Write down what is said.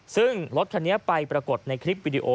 ซึ่งรถคันนี้ไปปรากฏในคลิปวิดีโอ